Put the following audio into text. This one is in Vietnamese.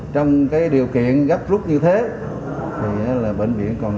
trong điều kiện gấp rút như thế thì bệnh viện còn